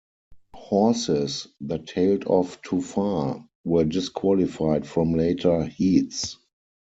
Horses that tailed off too far were disqualified from later heats.